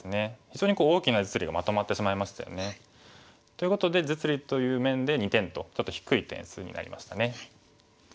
非常に大きな実利がまとまってしまいましたよね。ということで実利という面で２点とちょっと低い点数になりましたね。